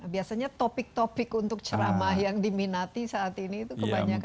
biasanya topik topik untuk ceramah yang diminati saat ini itu kebanyakan